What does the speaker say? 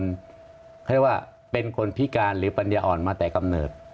เขาเรียกว่าเป็นคนพิการหรือปัญญาอ่อนมาแต่กำเนิด